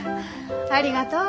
ありがとう。